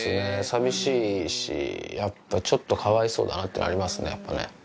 寂しいしやっぱちょっとかわいそうだなっていうのありますねやっぱね。